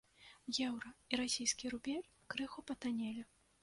Еўра і расійскі рубель крыху патаннелі.